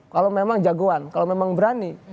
kalau memang jagoan kalau memang berani